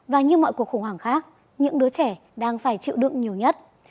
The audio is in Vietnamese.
và như mọi cuộc khủng hoảng khác những đứa trẻ đang phải chịu đựng nhiều nhất